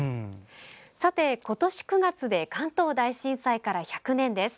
さて、今年９月で関東大震災から１００年です。